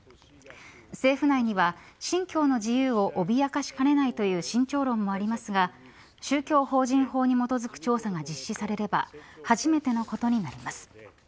政府内には信教の自由を脅かしかねないという慎重論もありますが宗教法人法に基づく調査が実施されれば初めてのことになります。